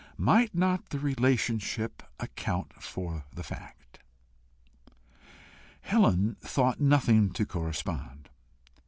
Might not the relationship account for the fact? Helen thought nothing to correspond.